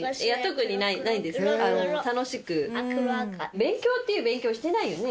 勉強っていう勉強してないよね？